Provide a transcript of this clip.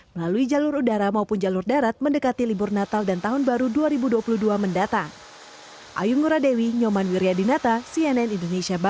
melalui jalur udara maupun jalur darat mendekati libur natal dan tahun baru dua ribu dua puluh dua mendatang